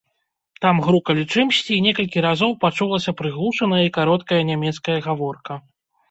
Там грукалі чымсьці, і некалькі разоў пачулася прыглушаная і кароткая нямецкая гаворка.